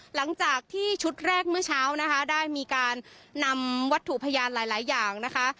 หลังจากที่ชุดแรกเมื่อเช้านะคะได้มีการนำวัตถุพยานหลายหลายอย่างนะคะ